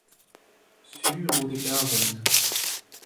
sur out e karzent.